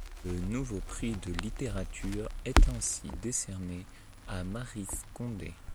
Le Nouveau prix de littérature est ainsi décerné à Maryse Condé.